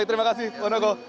baik terima kasih pak noko